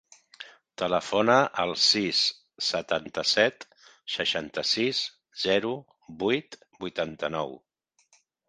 Telefona al sis, setanta-set, seixanta-sis, zero, vuit, vuitanta-nou.